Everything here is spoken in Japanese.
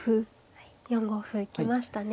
はい４五歩行きましたね。